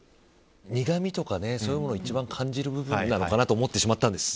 苦みとかそういうのを一番感じる部分なのかなと思ってしまったんです。